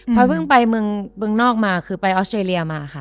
พอยเพิ่งไปเมืองนอกมาคือไปออสเตรเลียมาค่ะ